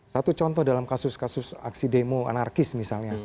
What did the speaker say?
satu contoh dalam kasus kasus aksi demo anarkis misalnya